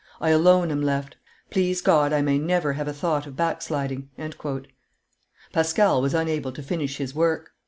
I alone am left; please God I may never have a thought of backsliding!" Pascal was unable to finish his work.